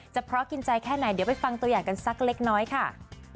เพราะกินใจแค่ไหนเดี๋ยวไปฟังตัวอย่างกันสักเล็กน้อยค่ะ